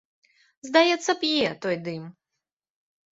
Здаецца, п'е той дым.